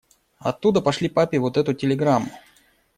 Оттуда пошли папе вот эту телеграмму.